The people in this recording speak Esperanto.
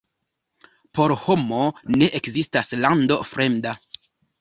Por homo ne ekzistas lando fremda.